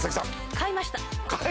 買いました